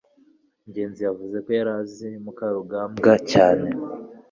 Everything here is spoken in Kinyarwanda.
ngenzi yavuze ko yari azi mukarugambwa cyane